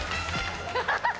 ハハハハ！